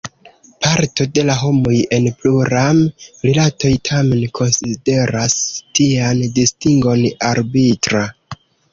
Parto de la homoj en pluram-rilatoj tamen konsideras tian distingon arbitra.